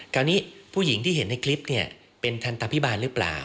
คราวนี้ผู้หญิงที่เห็นในคลิปเนี่ยเป็นทันตภิบาลหรือเปล่า